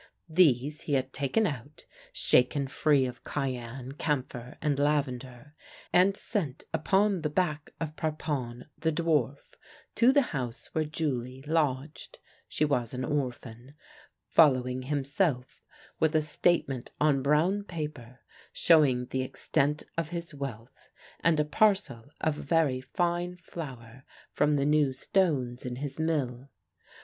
These he had taken out, shaken free of cayenne, cam phor, and lavender, and sent upon the back of Parpon, the dwarf, to the house where Julie lodged (she was an orphan), following himself with a statement on brown paper, showing the extent of his wealth, and a parcel of very fine flour from the new stones in his mill.